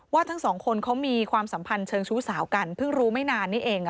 ทั้งสองคนเขามีความสัมพันธ์เชิงชู้สาวกันเพิ่งรู้ไม่นานนี่เอง